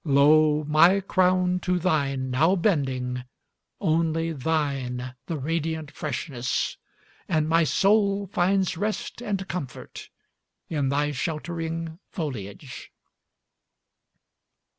Lo! my crown to thine now bending, only thine the radiant freshness, And my soul finds rest and comfort in thy sheltering foliage.